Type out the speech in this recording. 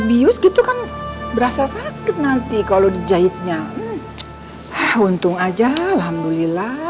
bius gitu kan berasa sakit nanti kalau dijahitnya untung aja alhamdulillah